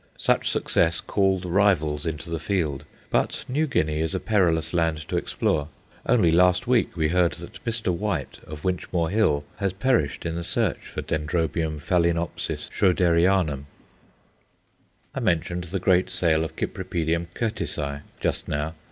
Such success called rivals into the field, but New Guinea is a perilous land to explore. Only last week we heard that Mr. White, of Winchmore Hill, has perished in the search for Dendrobium ph. Schroederianum. I mentioned the great sale of Cyp. Curtisi just now.